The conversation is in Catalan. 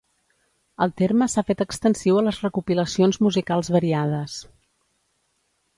El terme s'ha fet extensiu a les recopilacions musicals variades.